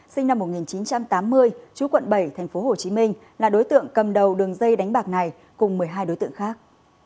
sinh năm một nghìn chín trăm tám mươi chú quận bảy tp hcm là đối tượng cầm đầu đường dây đánh bạc này cùng một mươi hai đối tượng khác